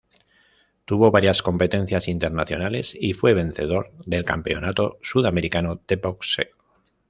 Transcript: Tuvo varias competencias internacionales y fue vencedor del Campeonato Sudamericano de Boxeo.